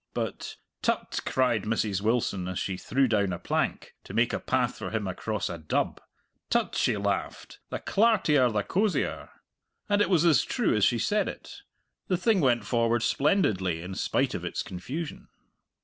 But "Tut," cried Mrs. Wilson, as she threw down a plank, to make a path for him across a dub "Tut," she laughed, "the clartier the cosier!" And it was as true as she said it. The thing went forward splendidly in spite of its confusion.